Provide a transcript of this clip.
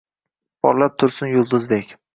Porlab tursin yulduzdek.